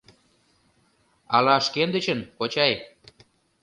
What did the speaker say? Ала шкендычын, кочай?